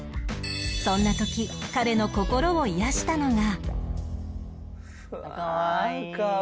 そんな時彼の心を癒やしたのが